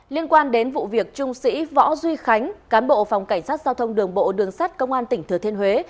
liên quan đến vụ việc trung sĩ võ duy khánh cán bộ phòng cảnh sát giao thông đường bộ đường sát công an tỉnh thừa thiên huế